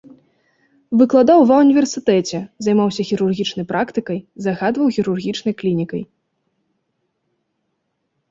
Выкладаў ва ўніверсітэце, займаўся хірургічнай практыкай, загадваў хірургічнай клінікай.